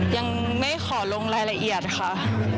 ยังไม่ขอลงรายละเอียดค่ะ